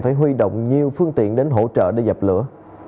phải huy động nhiều phương tiện đến hỗ trợ để dập lửa